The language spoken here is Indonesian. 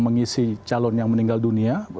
mengisi calon yang meninggal dunia